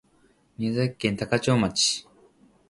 宮崎県高千穂町